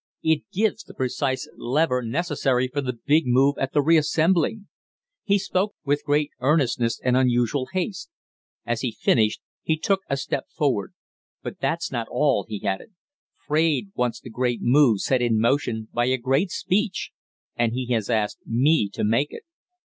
It gives the precise lever necessary for the big move at the reassembling." He spoke with great earnestness and unusual haste. As he finished he took a step forward. "But that's not all!" he added. "Fraide wants the great move set in motion by a great speech and he has asked me to make it."